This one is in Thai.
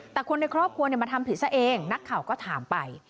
แต่คนในครอบครัวมาทำผิดซะเองนักข่าวก็ถามไป